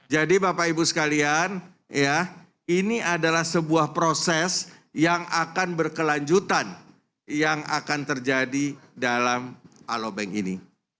jadi bapak ibu sekalian ya ini adalah sebuah proses yang akan berkelanjutan yang akan terjadi dalam alobank ini